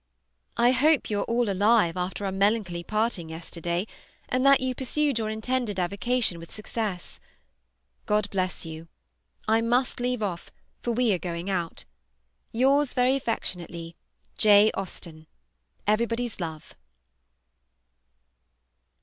I hope you are all alive after our melancholy parting yesterday, and that you pursued your intended avocation with success. God bless you! I must leave off, for we are going out. Yours very affectionately, J. AUSTEN. Everybody's love.